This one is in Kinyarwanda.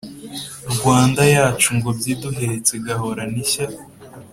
rwanda yacu ngombyi iduhetse gahorane ishya